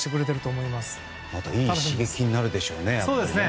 いい刺激になるでしょうね。